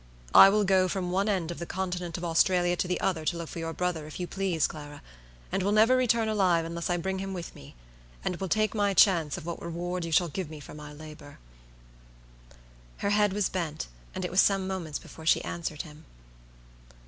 I will go from one end of the continent of Australia to the other to look for your brother, if you please, Clara; and will never return alive unless I bring him with me, and will take my chance of what reward you shall give me for my labor." Her head was bent, and it was some moments before she answered him.